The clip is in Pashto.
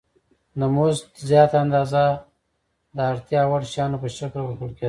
د مزد زیاته اندازه د اړتیا وړ شیانو په شکل ورکول کېده